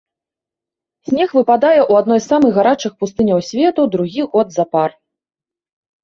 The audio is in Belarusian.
Снег выпадае ў адной з самых гарачых пустыняў свету другі год запар.